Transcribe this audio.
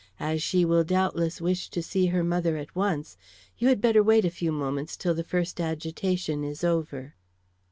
As she will doubtless wish to see her mother at once, you had better wait a few moments till the first agitation is over."